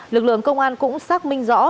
lực lượng công an cũng xác minh rõ